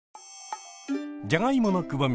じゃがいものくぼみ